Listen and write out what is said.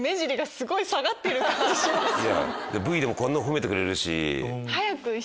ＶＴＲでもこんな褒めてくれるし。